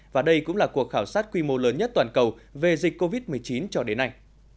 và đây cũng là cuộc khảo sát quy mô lớn nhất toàn cầu về dịch covid một mươi chín cho đến nay